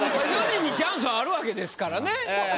４人にチャンスはあるわけですからね。